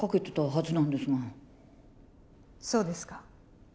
そうですか。